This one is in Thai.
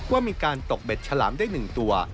ว่ามีการตกเบ็ดฉลามได้๑ตัว